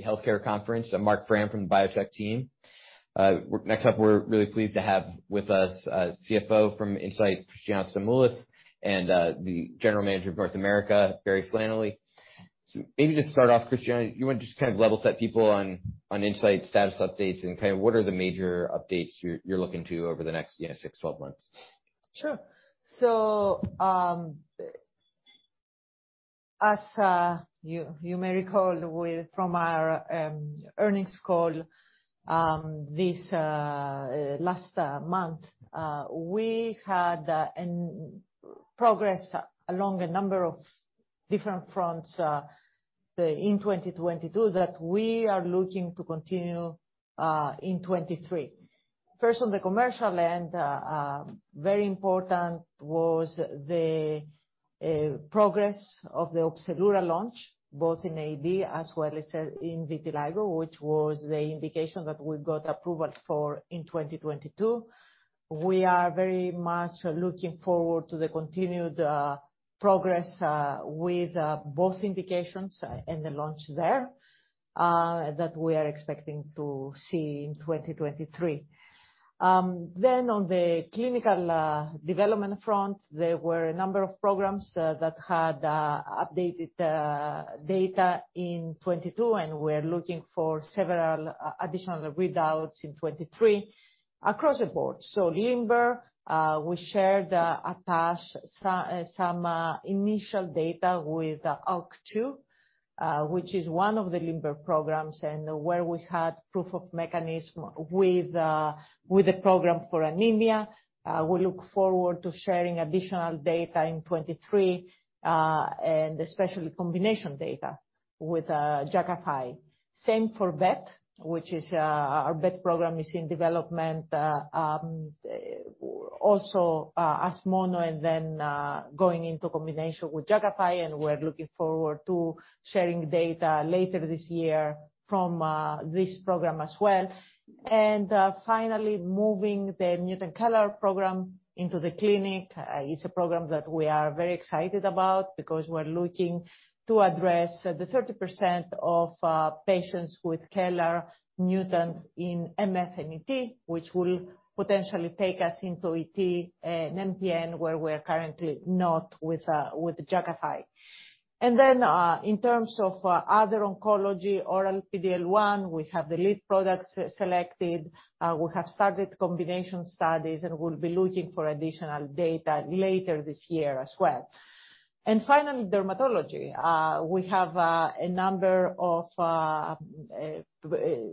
The Healthcare conference. I'm Marc Frahm from the biotech team. Next up, we're really pleased to have with us, CFO from Incyte, Christiana Stamoulis, and the General Manager of North America, Barry Flannelly. Maybe just start off, Christiana, you wanna just kind of level set people on Incyte status updates and kind of what are the major updates you're looking to over the next, you know, six-12 months? Sure. As you may recall from our earnings call, this last month, we had progress along a number of different fronts in 2022 that we are looking to continue in 2023. First, on the commercial end, very important was the progress of the Opzelura launch, both in AAD as well as in vitiligo, which was the indication that we got approval for in 2022. We are very much looking forward to the continued progress with both indications and the launch there that we are expecting to see in 2023. On the clinical development front, there were a number of programs that had updated data in 2022, and we're looking for several additional readouts in 2023 across the board. LIMBER, we shared some initial data with IL-2, which is one of the LIMBER programs and where we had proof of mechanism with the program for anemia. We look forward to sharing additional data in 2023, and especially combination data with Jakafi. Same for BET, which is our BET program is in development also as mono and then going into combination with Jakafi, and we're looking forward to sharing data later this year from this program as well. Finally, moving the mutant CALR program into the clinic is a program that we are very excited about because we're looking to address the 30% of patients with CALR mutant in MF/ET, which will potentially take us into ET and MPN, where we're currently not with Jakafi. In terms of other oncology, oral PD-L1, we have the lead products selected. We have started combination studies, and we'll be looking for additional data later this year as well. Finally, dermatology. We have a number of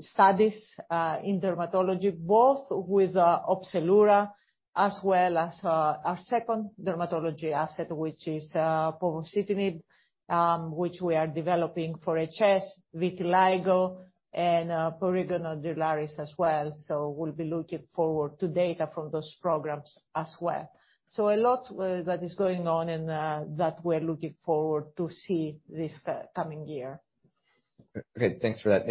studies in dermatology, both with Opzelura as well as our second dermatology asset, which is povorcitinib, which we are developing for HS, vitiligo, and prurigo nodularis as well. We'll be looking forward to data from those programs as well. A lot that is going on and that we're looking forward to see this coming year. Okay. Thanks for that.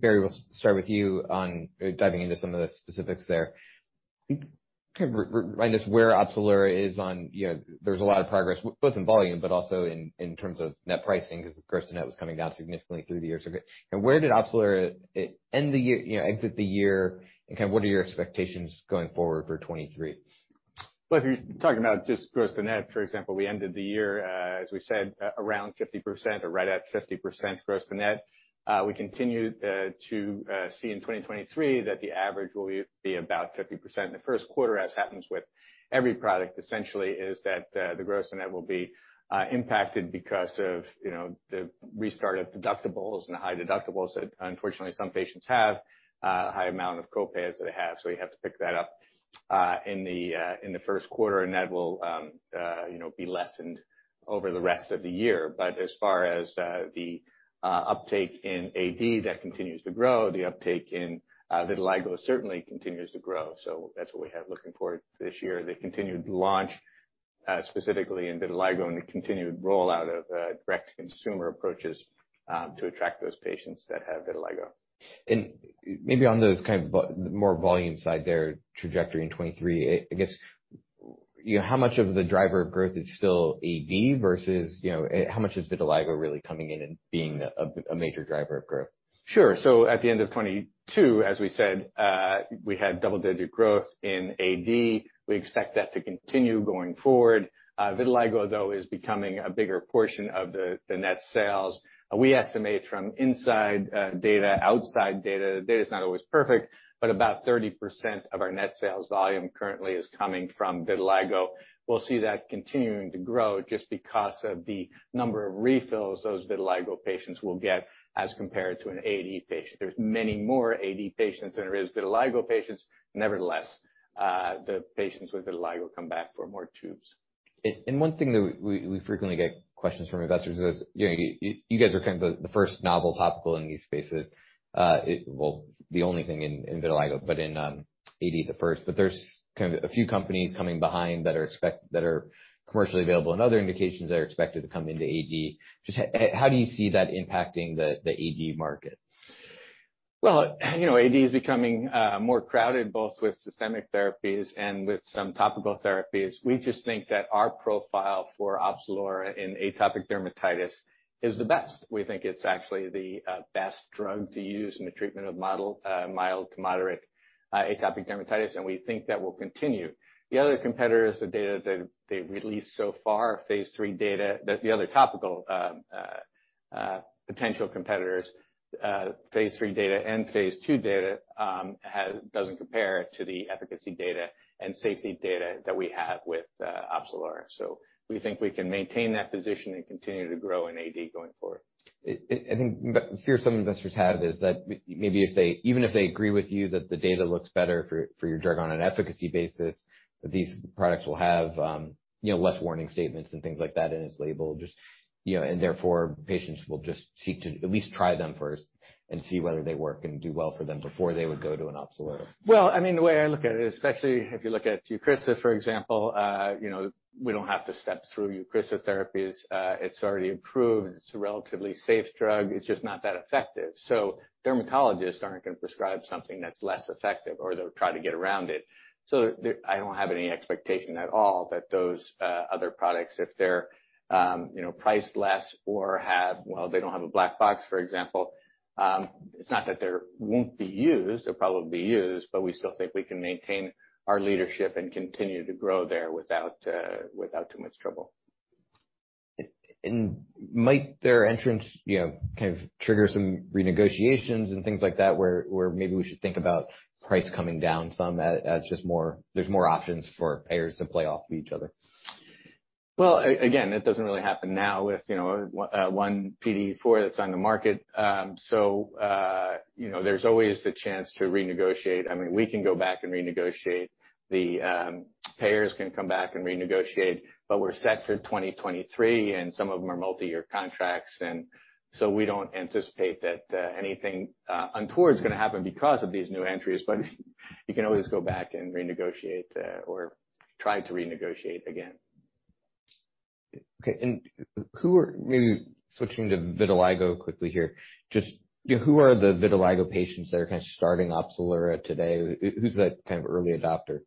Barry, we'll start with you on diving into some of the specifics there. Can you remind us where Opzelura is on, you know? There's a lot of progress, both in volume but also in terms of net pricing 'cause gross net was coming down significantly through the years. Where did Opzelura end the year, you know, exit the year, and kind of what are your expectations going forward for 2023? Well, if you're talking about just gross to net, for example, we ended the year, as we said, around 50% or right at 50% gross to net. We continue to see in 2023 that the average will be about 50% in the first quarter, as happens with every product, essentially, is that the gross and net will be impacted because of, you know, the restarted deductibles and the high deductibles that unfortunately some patients have, high amount of co-pays that they have, so we have to pick that up in the in the first quarter, and that will, you know, be lessened over the rest of the year. As far as the uptake in AD, that continues to grow. The uptake in vitiligo certainly continues to grow, so that's what we have looking forward this year. The continued launch specifically in vitiligo and the continued rollout of direct-to-consumer approaches to attract those patients that have vitiligo. Maybe on those kind of more volume side there, trajectory in 2023, I guess, you know, how much of the driver of growth is still AD versus, you know, how much is vitiligo really coming in and being a major driver of growth? Sure. At the end of 2022, as we said, we had double-digit growth in AD. We expect that to continue going forward. Vitiligo, though, is becoming a bigger portion of the net sales. We estimate from Incyte data, outside data, the data is not always perfect, but about 30% of our net sales volume currently is coming from vitiligo. We'll see that continuing to grow just because of the number of refills those vitiligo patients will get as compared to an AD patient. There's many more AD patients than there is vitiligo patients. Nevertheless, the patients with vitiligo come back for more tubes. One thing that we frequently get questions from investors is, you know, you guys are kind of the first novel topical in these spaces. Well, the only thing in vitiligo, but in AD, the first. There's kind of a few companies coming behind that are expected that are commercially available in other indications that are expected to come into AD. Just how do you see that impacting the AD market? You know, AD is becoming more crowded, both with systemic therapies and with some topical therapies. We just think that our profile for Opzelura in atopic dermatitis is the best. We think it's actually the best drug to use in the treatment of mild to moderate atopic dermatitis, and we think that will continue. The other competitors, the data that they've released so far, phase III data, the other topical potential competitors, phase III data and phase II data, doesn't compare to the efficacy data and safety data that we have with Opzelura. We think we can maintain that position and continue to grow in AD going forward. I think the fear some investors have is that maybe even if they agree with you that the data looks better for your drug on an efficacy basis, these products will have, you know, less warning statements and things like that in its label, just, you know, and therefore patients will just seek to at least try them first and see whether they work and do well for them before they would go to an Opzelura. Well, I mean, the way I look at it, especially if you look at Eucrisa, for example, you know, we don't have to step through Eucrisa therapies. It's already approved. It's a relatively safe drug. It's just not that effective. Dermatologists aren't going to prescribe something that's less effective or they'll try to get around it. I don't have any expectation at all that those other products, if they're, you know, priced less or have, well, they don't have a black box, for example, it's not that they won't be used, they'll probably be used, but we still think we can maintain our leadership and continue to grow there without too much trouble. Might their entrance, you know, kind of trigger some renegotiations and things like that, where maybe we should think about price coming down some as just there's more options for payers to play off of each other. Well, again, it doesn't really happen now with, you know, one PDE4 that's on the market. You know, there's always the chance to renegotiate. I mean, we can go back and renegotiate. The payers can come back and renegotiate, but we're set through 2023, and some of them are multi-year contracts. We don't anticipate that anything untoward is gonna happen because of these new entries, but you can always go back and renegotiate or try to renegotiate again. Okay. Maybe switching to vitiligo quickly here. Just, you know, who are the vitiligo patients that are kind of starting Opzelura today? Who's that kind of early adopter?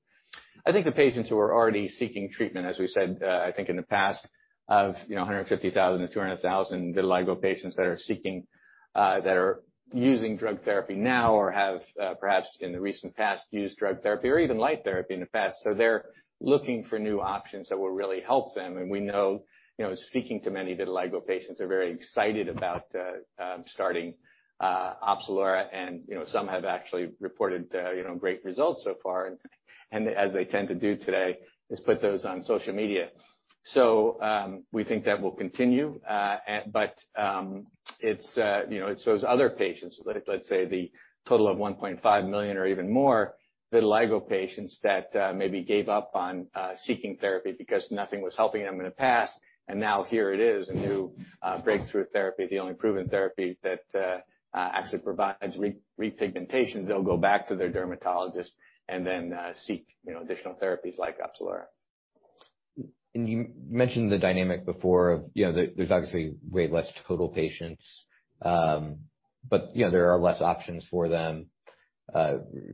I think the patients who are already seeking treatment, as we said, I think in the past, of, you know, 150,000-200,000 vitiligo patients that are seeking, that are using drug therapy now or have, perhaps in the recent past, used drug therapy or even light therapy in the past. They're looking for new options that will really help them. We know, you know, speaking to many vitiligo patients, they're very excited about starting Opzelura, and, you know, some have actually reported, you know, great results so far, and as they tend to do today, is put those on social media. We think that will continue. It's, you know, it's those other patients, let's say the total of 1.5 million or even more vitiligo patients that maybe gave up on seeking therapy because nothing was helping them in the past. Now here it is, a new breakthrough therapy, the only proven therapy that actually provides repigmentation. They'll go back to their dermatologist and then seek, you know, additional therapies like Opzelura. You mentioned the dynamic before of, you know, there's obviously way less total patients, but, you know, there are less options for them,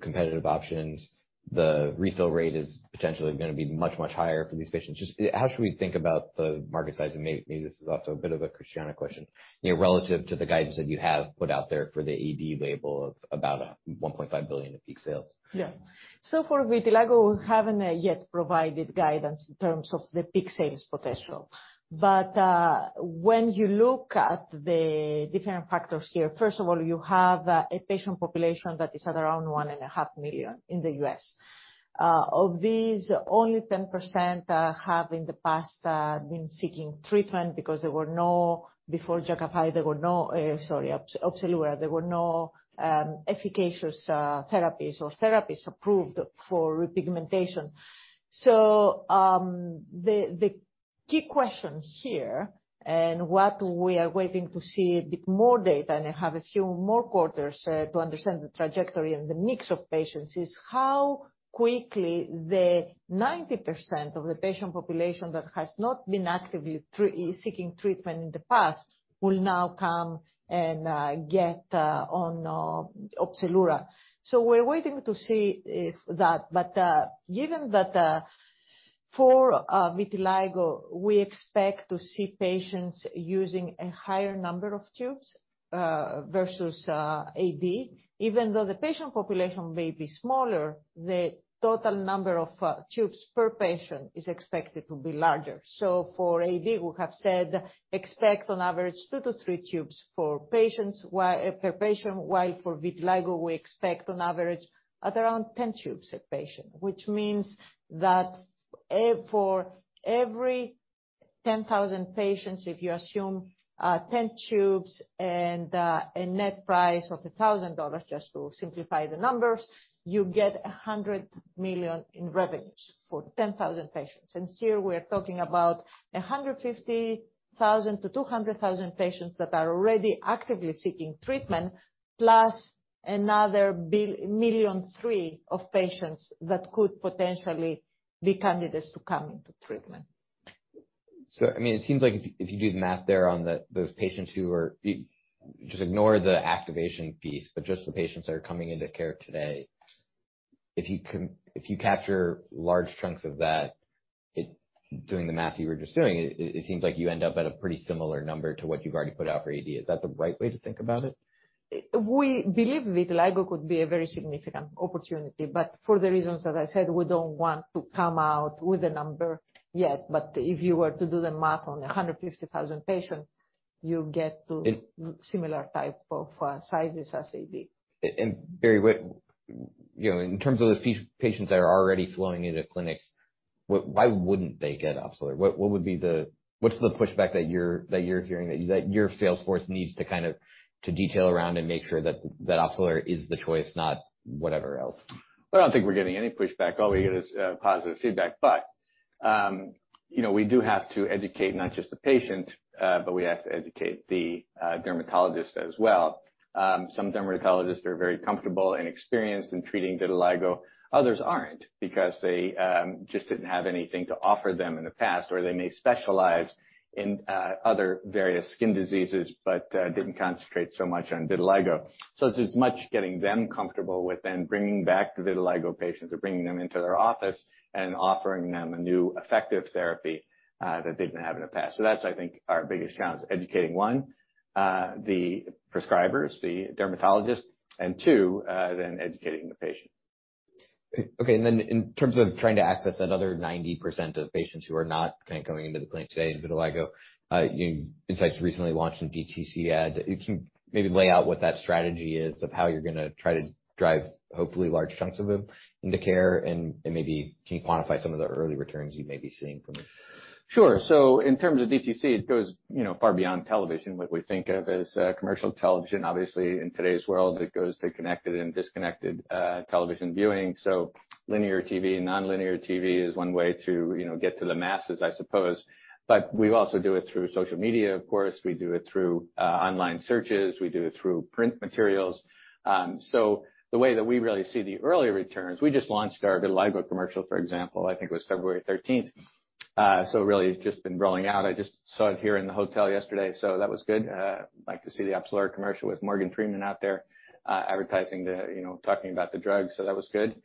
competitive options. The refill rate is potentially gonna be much, much higher for these patients. Just how should we think about the market size? Maybe this is also a bit of a Christiana question. You know, relative to the guidance that you have put out there for the AD label of about $1.5 billion of peak sales. Yeah. For vitiligo, we haven't yet provided guidance in terms of the peak sales potential. When you look at the different factors here, first of all, you have a patient population that is at around 1.5 million in the U.S. Of these, only 10% have in the past been seeking treatment because there were no before Jakafi, there were no sorry, Opzelura, there were no efficacious therapies or therapies approved for repigmentation. The key question here and what we are waiting to see with more data, and I have a few more quarters to understand the trajectory and the mix of patients, is how quickly the 90% of the patient population that has not been actively seeking treatment in the past will now come and get on Opzelura. We're waiting to see if that. Given that for vitiligo, we expect to see patients using a higher number of tubes versus AD. Even though the patient population may be smaller, the total number of tubes per patient is expected to be larger. For AD, we have said, expect on average two-three tubes for patients per patient, while for vitiligo, we expect on average around 10 tubes a patient, which means that for every 10,000 patients, if you assume 10 tubes and a net price of $1,000, just to simplify the numbers, you get $100 million in revenues for 10,000 patients. Here we're talking about 150,000-200,000 patients that are already actively seeking treatment, plus another 1.3 million patients that could potentially be candidates to come into treatment. I mean, it seems like if you do the math there on the, those patients who are just ignore the activation piece, but just the patients that are coming into care today. If you capture large chunks of that, doing the math you were just doing, it seems like you end up at a pretty similar number to what you've already put out for AD. Is that the right way to think about it? We believe vitiligo could be a very significant opportunity, for the reasons that I said, we don't want to come out with a number yet. If you were to do the math on 150,000 patients, you get to- It- similar type of, sizes as AD. Barry Flannelly, what, you know, in terms of the patients that are already flowing into clinics, why wouldn't they get Opzelura? What would be the... What's the pushback that you're hearing that your sales force needs to kind of detail around and make sure that Opzelura is the choice, not whatever else? Well, I don't think we're getting any pushback. All we get is positive feedback. You know, we do have to educate not just the patient, but we have to educate the dermatologist as well. Some dermatologists are very comfortable and experienced in treating vitiligo. Others aren't, because they just didn't have anything to offer them in the past, or they may specialize in other various skin diseases, but didn't concentrate so much on vitiligo. It's as much getting them comfortable with then bringing back the vitiligo patients or bringing them into their office and offering them a new effective therapy that they didn't have in the past. That's, I think, our biggest challenge, is educating, one, the prescribers, the dermatologists, and two, then educating the patient. In terms of trying to access that other 90% of patients who are not kind of going into the clinic today in vitiligo, Incyte recently launched some DTC ads. If you can maybe lay out what that strategy is of how you're gonna try to drive, hopefully large chunks of them into care and maybe can you quantify some of the early returns you may be seeing from it? Sure. In terms of DTC, it goes, you know, far beyond television. What we think of as commercial television, obviously in today's world, it goes to connected and disconnected television viewing. Linear TV and nonlinear TV is one way to, you know, get to the masses, I suppose. We also do it through social media, of course. We do it through online searches. We do it through print materials. The way that we really see the early returns, we just launched our vitiligo commercial, for example. I think it was February 13th. Really it's just been rolling out. I just saw it here in the hotel yesterday, so that was good. Like to see the Opzelura commercial with Morgan Freeman out there, advertising the, you know, talking about the drug. That was good.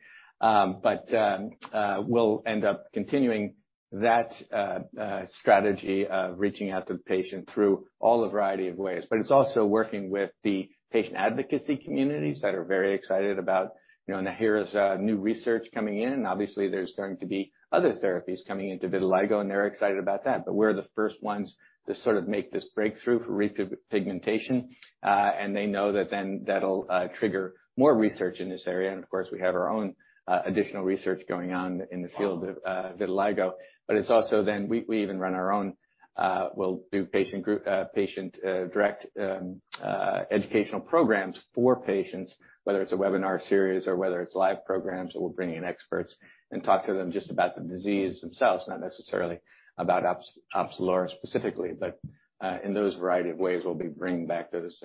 We'll end up continuing that strategy of reaching out to the patient through all a variety of ways. It's also working with the patient advocacy communities that are very excited about, you know, now here's new research coming in. Obviously, there's going to be other therapies coming into vitiligo, and they're excited about that. We're the first ones to sort of make this breakthrough for repigmentation. They know that then that'll trigger more research in this area. Of course, we have our own additional research going on in the field of vitiligo. It's also then we even run our own, we'll do patient group, patient, direct, educational programs for patients, whether it's a webinar series or whether it's live programs, or we're bringing in experts and talk to them just about the disease themselves, not necessarily about Opzelura specifically. In those variety of ways, we'll be bringing back those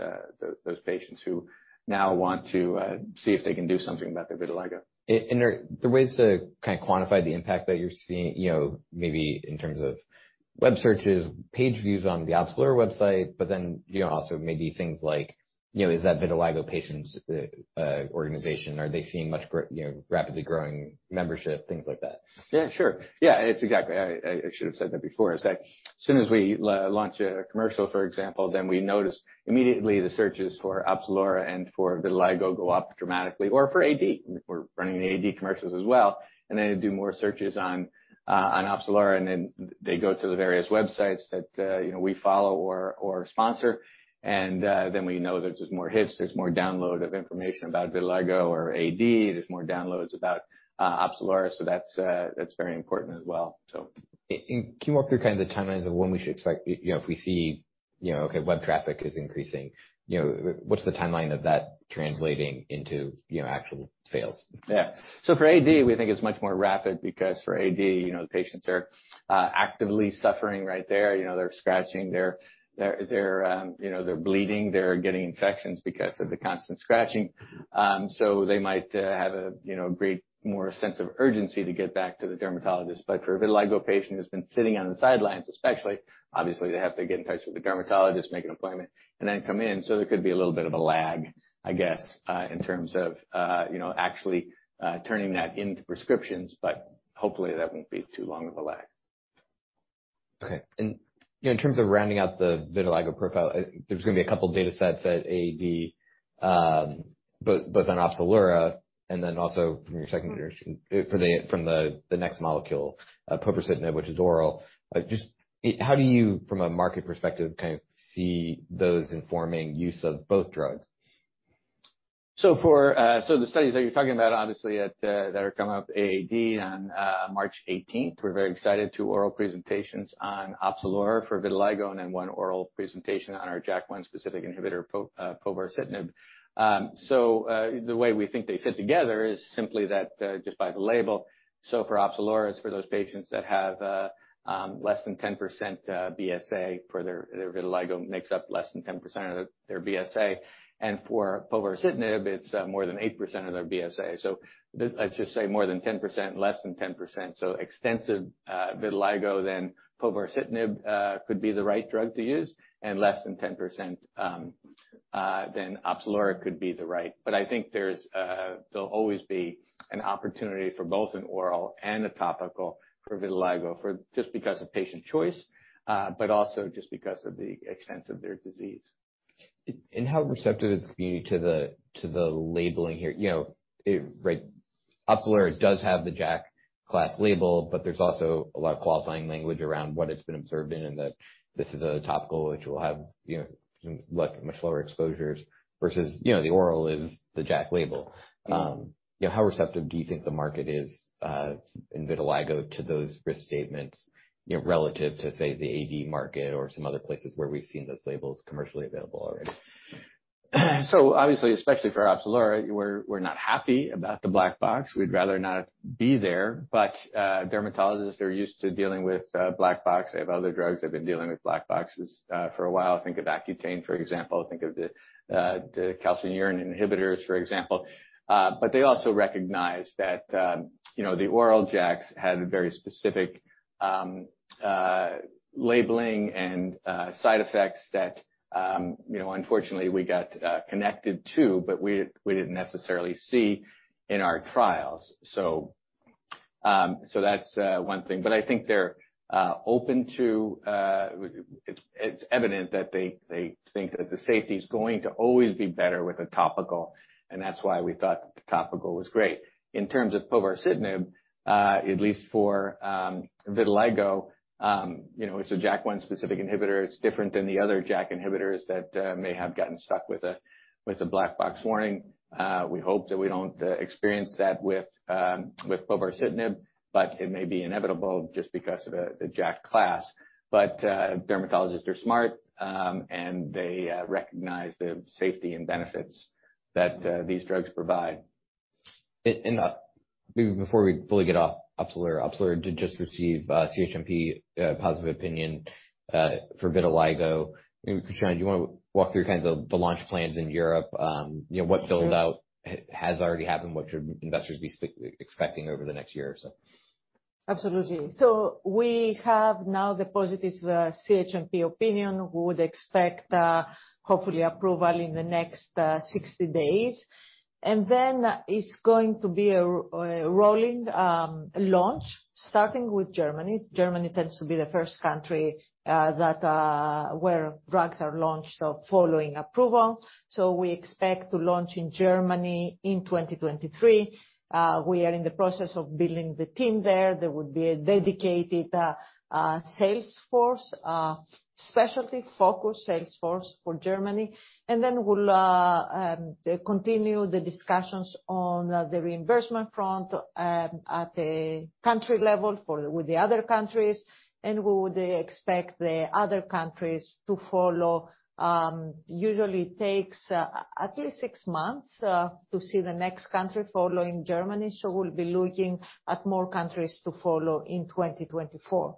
patients who now want to, see if they can do something about their vitiligo. Are there ways to kind of quantify the impact that you're seeing, you know, maybe in terms of web searches, page views on the Opzelura website, but then, you know, also maybe things like, you know, is that vitiligo patients' organization, are they seeing much, you know, rapidly growing membership, things like that? Yeah, sure. Yeah, it's exactly. I should have said that before, is that soon as we launch a commercial, for example, then we notice immediately the searches for Opzelura and for vitiligo go up dramatically or for AD. We're running the AD commercials as well, and then do more searches on Opzelura, and then they go to the various websites that, you know, we follow or sponsor. Then we know there's just more hits, there's more download of information about vitiligo or AD, there's more downloads about Opzelura. That's very important as well, so. Can you walk through kind of the timelines of when we should expect, you know, if we see, you know, okay, web traffic is increasing, you know, what's the timeline of that translating into, you know, actual sales? For AD, we think it's much more rapid because for AD, you know, the patients are actively suffering right there. They're scratching, they're, you know, they're bleeding, they're getting infections because of the constant scratching. They might have a, you know, great more sense of urgency to get back to the dermatologist. For a vitiligo patient who's been sitting on the sidelines, especially, obviously, they have to get in touch with the dermatologist, make an appointment, and then come in. There could be a little bit of a lag, I guess, in terms of, you know, actually, turning that into prescriptions, but hopefully, that won't be too long of a lag. Okay. You know, in terms of rounding out the vitiligo profile, there's gonna be a couple datasets at AD, both on Opzelura and then also from your second generation next molecule, povorcitinib, which is oral. Just how do you, from a market perspective, kind of see those informing use of both drugs? The studies that you're talking about, obviously at AD on March 18th, we're very excited, two oral presentations on Opzelura for vitiligo and then one oral presentation on our JAK1-specific inhibitor, povorcitinib. The way we think they fit together is simply that just by the label. For Opzelura, it's for those patients that have less than 10% BSA for their vitiligo makes up less than 10% of their BSA. For povorcitinib, it's more than 8% of their BSA. Let's just say more than 10%, less than 10%. Extensive vitiligo than povorcitinib could be the right drug to use, and less than 10%, then Opzelura could be the right. I think there'll always be an opportunity for both an oral and a topical for vitiligo for just because of patient choice, but also just because of the extent of their disease. How receptive is the community to the labeling here? You know, it, right. Opzelura does have the JAK class label, but there's also a lot of qualifying language around what it's been observed in, and that this is a topical which will have, you know, like, much lower exposures versus, you know, the oral is the JAK label. You know, how receptive do you think the market is in vitiligo to those risk statements, you know, relative to, say, the AD market or some other places where we've seen those labels commercially available already? Obviously, especially for Opzelura, we're not happy about the black box. We'd rather not be there. Dermatologists are used to dealing with black box. They have other drugs that have been dealing with black boxes for a while. Think of Accutane, for example. Think of the calcineurin inhibitors, for example. They also recognize that, you know, the oral JAKs had very specific labeling and side effects that, you know, unfortunately we got connected to, but we didn't necessarily see in our trials. That's one thing. I think they're open to. It's evident that they think that the safety is going to always be better with a topical, and that's why we thought the topical was great. In terms of povorcitinib, at least for vitiligo, you know, it's a JAK1-specific inhibitor. It's different than the other JAK inhibitors that may have gotten stuck with a black box warning. We hope that we don't experience that with povorcitinib, but it may be inevitable just because of the JAK class. Dermatologists are smart, and they recognize the safety and benefits that these drugs provide. Maybe before we fully get off Opzelura did just receive CHMP positive opinion for vitiligo. Maybe, Christiana, do you wanna walk through kind of the launch plans in Europe? you know, what build-out has already happened? What should investors be expecting over the next year or so? Absolutely. We have now the positive CHMP opinion. We would expect hopefully approval in the next 60 days. It's going to be a rolling launch starting with Germany. Germany tends to be the first country that where drugs are launched following approval. We expect to launch in Germany in 2023. We are in the process of building the team there. There will be a dedicated sales force, specialty-focused sales force for Germany. We'll continue the discussions on the reimbursement front at a country level with the other countries. We would expect the other countries to follow, usually takes at least 6 months to see the next country following Germany. We'll be looking at more countries to follow in 2024.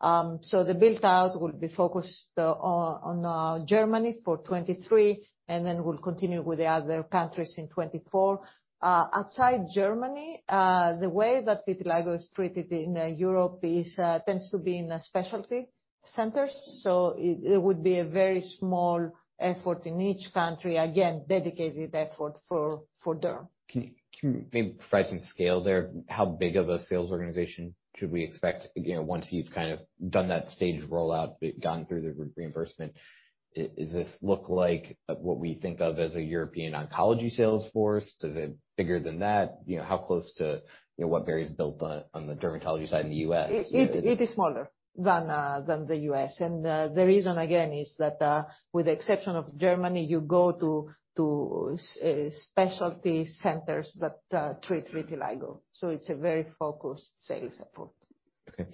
The build-out will be focused on Germany for 2023, and then we'll continue with the other countries in 2024. Outside Germany, the way that vitiligo is treated in Europe is tends to be in the specialty centers. It would be a very small effort in each country, again, dedicated effort for derm. Can you maybe provide some scale there? How big of a sales organization should we expect, you know, once you've kind of done that stage rollout, gone through the reimbursement? Is this look like what we think of as a European oncology sales force? Is it bigger than that? You know, how close to, you know, what Barry's built on the dermatology side in the U.S.? It is smaller than the U.S. The reason again is that with the exception of Germany, you go to specialty centers that treat vitiligo. It's a very focused sales effort. Okay.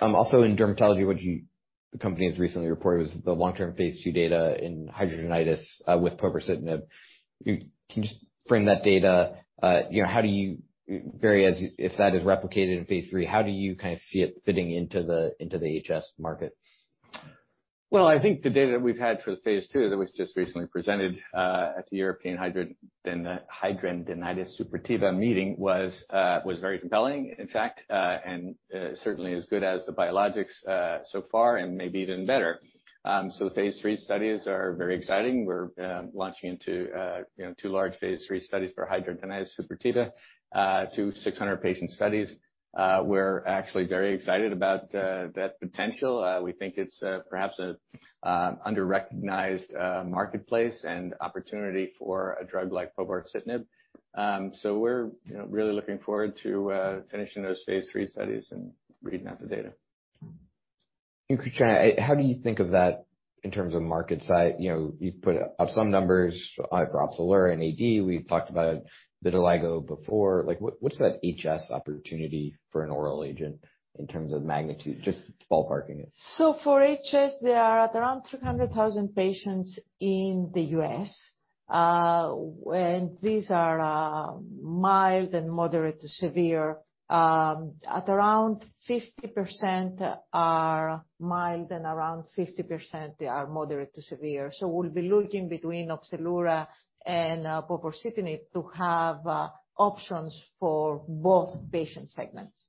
Also in dermatology, the company has recently reported was the long-term phase II data in hidradenitis, with povorcitinib. Can you just frame that data? You know, Barry, if that is replicated in phase III, how do you kind of see it fitting into the, into the HS market? Well, I think the data we've had for the phase II that was just recently presented at the European Hidradenitis Suppurativa Meeting was very compelling, in fact, and certainly as good as the biologics so far and maybe even better. The phase III studies are very exciting. We're launching into, you know, two large phase III studies for hidradenitis suppurativa, 2 600 patient studies. We're actually very excited about that potential. We think it's perhaps a under-recognized marketplace and opportunity for a drug like povorcitinib. We're, you know, really looking forward to finishing those phase III studies and reading out the data. Christiana, how do you think of that in terms of market size? You know, you've put up some numbers for Opzelura and AD. We've talked about vitiligo before. Like, what's that HS opportunity for an oral agent in terms of magnitude? Just ballparking it. For HS, there are around 300,000 patients in the U.S. And these are, mild and moderate to severe. At around 50% are mild and around 50% are moderate to severe. We'll be looking between Opzelura and povorcitinib to have options for both patient segments.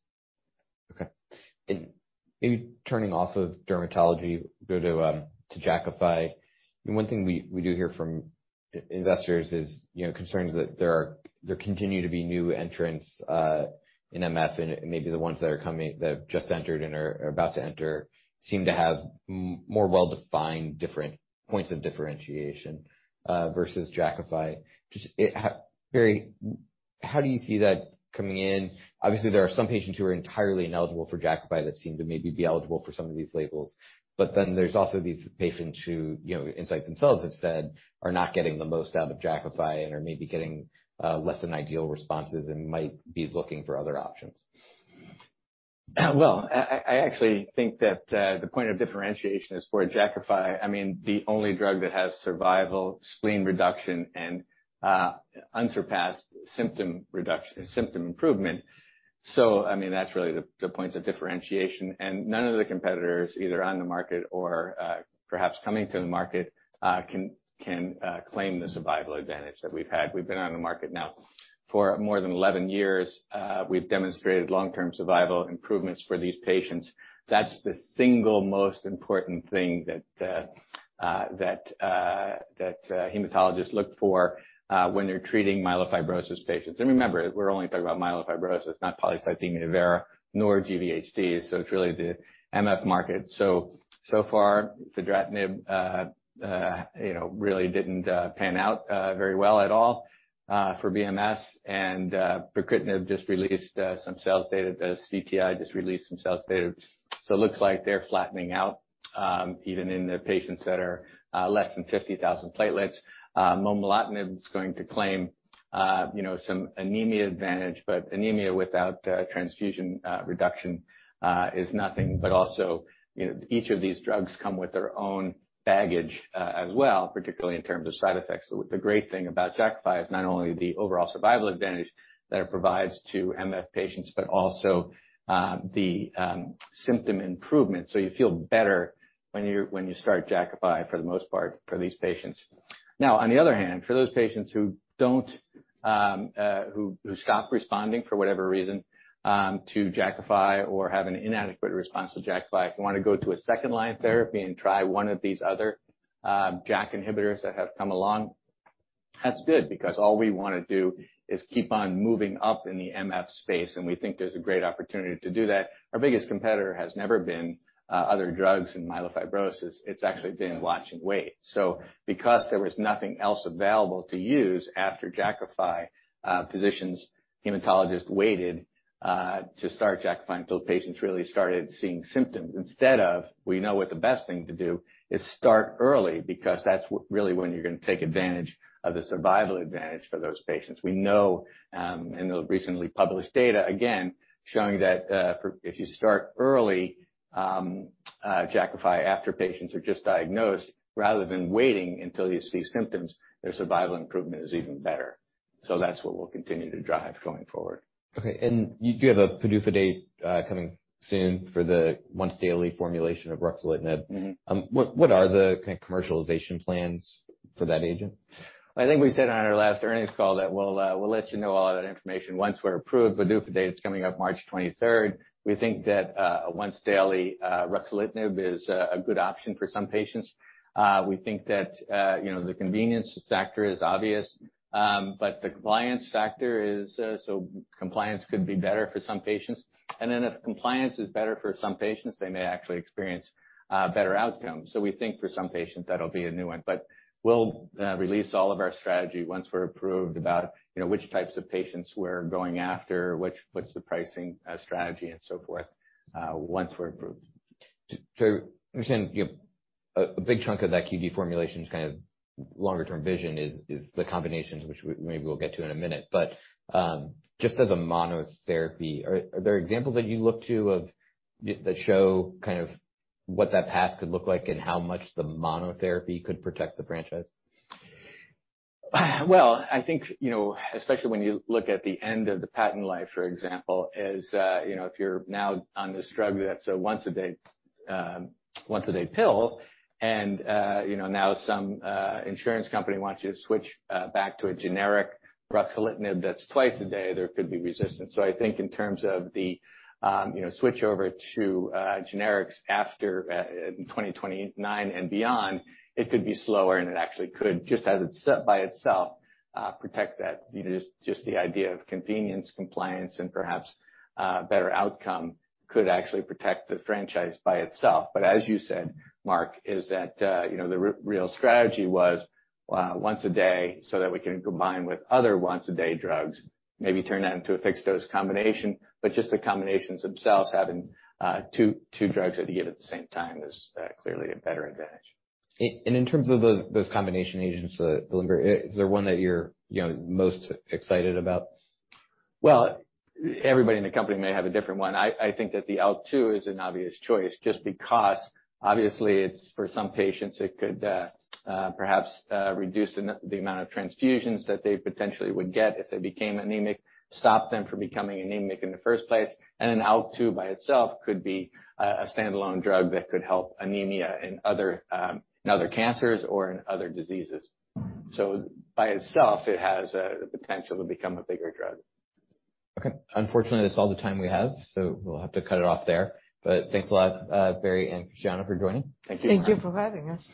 Okay. Maybe turning off of dermatology, go to Jakafi. One thing we do hear from investors is, you know, concerns that there continue to be new entrants in MF, and maybe the ones that are coming, that have just entered and are about to enter seem to have more well-defined different points of differentiation versus Jakafi. Just, Barry, how do you see that coming in? Obviously, there are some patients who are entirely ineligible for Jakafi that seem to maybe be eligible for some of these labels. There's also these patients who, you know, Incyte themselves have said are not getting the most out of Jakafi and are maybe getting less than ideal responses and might be looking for other options. Well, I actually think that the point of differentiation is for Jakafi, I mean, the only drug that has survival, spleen reduction, and unsurpassed symptom reduction, symptom improvement. I mean, that's really the points of differentiation. None of the competitors, either on the market or perhaps coming to the market, can claim the survival advantage that we've had. We've been on the market now for more than 11 years. We've demonstrated long-term survival improvements for these patients. That's the single most important thing that hematologists look for when they're treating myelofibrosis patients. Remember, we're only talking about myelofibrosis, not polycythemia vera nor GVHD, it's really the MF market. So far, Fedratinib, you know, really didn't pan out very well at all for BMS. Pacritinib just released some sales data. CTI just released some sales data. It looks like they're flattening out even in the patients that are less than 50,000 platelets. Momelotinib is going to claim, you know, some anemia advantage, but anemia without transfusion reduction is nothing, but also, you know, each of these drugs come with their own baggage as well, particularly in terms of side effects. The great thing about Jakafi is not only the overall survival advantage that it provides to MF patients, but also the symptom improvement. You feel better when you start Jakafi for the most part, for these patients. On the other hand, for those patients who don't stop responding for whatever reason, to Jakafi or have an inadequate response to Jakafi, if you wanna go to a second-line therapy and try one of these other Jak inhibitors that have come along, that's good, because all we wanna do is keep on moving up in the MF space, and we think there's a great opportunity to do that. Our biggest competitor has never been other drugs in myelofibrosis. It's actually been watch and wait. Because there was nothing else available to use after Jakafi, physicians, hematologists waited to start Jakafi until patients really started seeing symptoms. Instead of we know what the best thing to do is start early because that's really when you're gonna take advantage of the survival advantage for those patients. We know, in the recently published data, again, showing that, if you start early, Jakafi after patients are just diagnosed rather than waiting until you see symptoms, their survival improvement is even better. That's what we'll continue to drive going forward. Okay. You do have a PDUFA date, coming soon for the once daily formulation of Ruxolitinib. Mm-hmm. What are the kind of commercialization plans for that agent? I think we said on our last earnings call that we'll let you know all that information once we're approved. PDUFA date is coming up March 23rd. We think that a once daily Ruxolitinib is a good option for some patients. We think that, you know, the convenience factor is obvious, but the compliance factor is, compliance could be better for some patients. If compliance is better for some patients, they may actually experience better outcomes. We think for some patients, that'll be a new one. We'll release all of our strategy once we're approved about, you know, which types of patients we're going after, which, what's the pricing strategy and so forth, once we're approved. I understand you have a big chunk of that QD formulation's kind of longer term vision is the combinations which maybe we'll get to in a minute. Just as a monotherapy, are there examples that you look to of that show kind of what that path could look like and how much the monotherapy could protect the franchise? Well, I think, you know, especially when you look at the end of the patent life, for example, is, you know, if you're now on this drug that's a once a day, once a day pill, and, you know, now some insurance company wants you to switch back to a generic Ruxolitinib that's twice a day, there could be resistance. I think in terms of the, you know, switchover to generics after in 2029 and beyond, it could be slower, and it actually could, just as it's set by itself, protect that. You know, just the idea of convenience, compliance, and perhaps, better outcome could actually protect the franchise by itself. As you said, Marc, is that, you know, the real strategy was once a day so that we can combine with other once a day drugs, maybe turn that into a fixed dose combination, but just the combinations themselves having two drugs that you give at the same time is clearly a better advantage. In terms of those combination agents available, is there one that you're, you know, most excited about? Well, everybody in the company may have a different one. I think that the IL-2 is an obvious choice just because obviously it's for some patients, it could perhaps reduce the amount of transfusions that they potentially would get if they became anemic, stop them from becoming anemic in the first place. IL-2 by itself could be a standalone drug that could help anemia in other cancers or in other diseases. By itself, it has the potential to become a bigger drug. Okay. Unfortunately, that's all the time we have. We'll have to cut it off there. Thanks a lot, Barry and Christiana for joining. Thank you. Thank you for having us.